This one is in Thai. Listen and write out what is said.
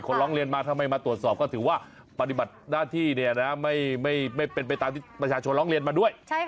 ร้องเรียนมาทำไมมาตรวจสอบก็ถือว่าปฏิบัติหน้าที่เนี่ยนะไม่เป็นไปตามที่ประชาชนร้องเรียนมาด้วย